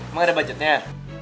emang ada budgetnya